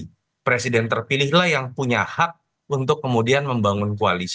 jadi presiden terpilihlah yang punya hak untuk kemudian membangun kualitas